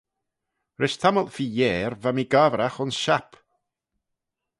Rish tammylt feer yiare va mee gobbragh ayns shapp.